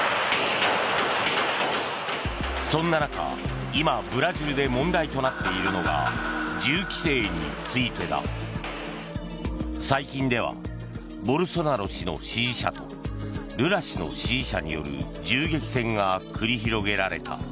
そんな中、今ブラジルで問題となっているのが銃規制についてだ。最近ではボルソナロ氏の支持者とルラ氏の支持者による銃撃戦が繰り広げられた。